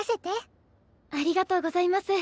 ありがとうございます。